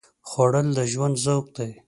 خوړل د ژوند ذوق دی